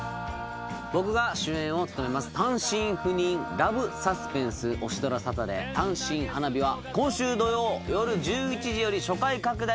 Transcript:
僕が主演を務めます単身赴任ラブサスペンスオシドラサタデー『単身花日』は今週土曜よる１１時より初回拡大